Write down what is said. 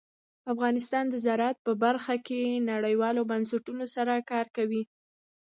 افغانستان د زراعت په برخه کې نړیوالو بنسټونو سره کار کوي.